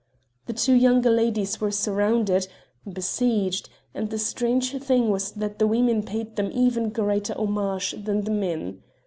The two younger ladies were surrounded besieged and the strange thing was that the women paid them even greater homage than the men.